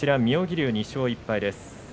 妙義龍は２勝１敗です